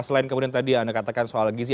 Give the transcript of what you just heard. selain kemudian tadi anda katakan soal gizi